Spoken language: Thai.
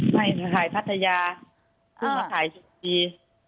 ไม่ขายพัทยามาขายชนบุรี